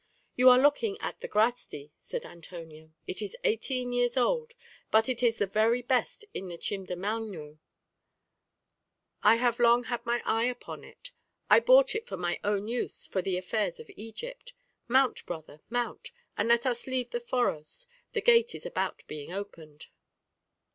"You are looking at the grasti," said Antonio: "it is eighteen years old, but it is the very best in the Chim del Manró; I have long had my eye upon it; I bought it for my own use for the affairs of Egypt. Mount, brother, mount, and let us leave the foros the gate is about being opened."